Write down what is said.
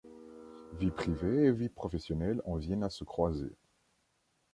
Vie privée et vie professionnelle en viennent à se croiser.